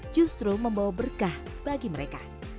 justru membawa berkah bagi mereka